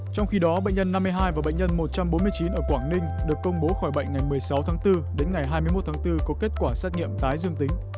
trong khi đó bệnh nhân năm mươi hai và bệnh nhân một trăm bốn mươi chín ở quảng ninh được công bố khỏi bệnh ngày một mươi sáu tháng bốn đến ngày hai mươi một tháng bốn có kết quả xét nghiệm tái dương tính